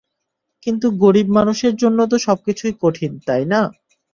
কিন্তু গরিব মানুষের জন্য তো সবকিছুই কঠিন, তাই না?